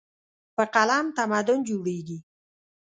په قلم تمدن جوړېږي.